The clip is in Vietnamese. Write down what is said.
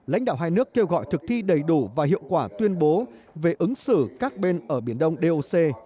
lãnh đạo hai nước kêu gọi thực thi đầy đủ và hiệu quả tuyên bố về ứng xử các bên ở biển đông doc